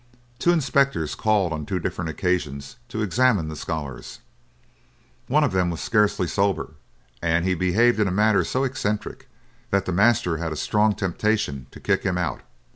Two inspectors called on two different occasions to examine the scholars. One of them was scarcely sober, and he behaved in a manner so eccentric that the master had a strong temptation to kick him out.